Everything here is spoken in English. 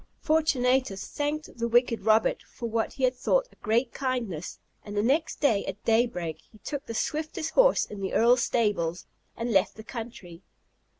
Fortunatus thanked the wicked Robert for what he thought a great kindness; and the next day, at daybreak, he took the swiftest horse in the Earl's stables, and left the country.